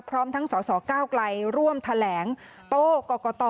พร้อมทั้งสสก้าวไกลร่วมแถลงโต้กรกต